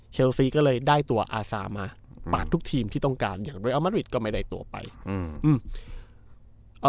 เคลซีก็เลยได้ตัวมาปากทุกทีมที่ต้องการอย่างเรียลมัตต์วิสก็ไม่ได้ตัวไปอืม